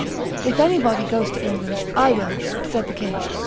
"If anybody goes to England, I will," said the king.